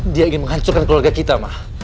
dia ingin menghancurkan keluarga kita mah